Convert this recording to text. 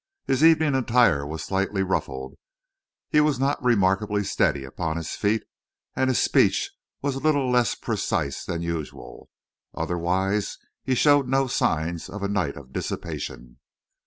His evening attire was slightly ruffled, he was not remarkably steady upon his feet, and his speech was a little less precise than usual. Otherwise, he showed no signs of a night of dissipation.